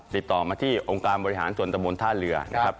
ติดต่อมาที่องค์การบริหารส่วนตะบนท่าเรือนะครับ